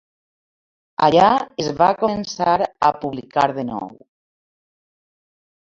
Allà es va començar a publicar de nou.